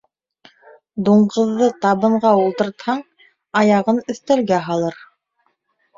Дуңғыҙҙы табынға ултыртһаң, аяғын өҫтәлгә һалыр.